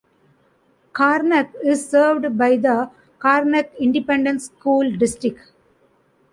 Karnack is served by the Karnack Independent School District.